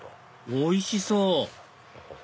おいしそう！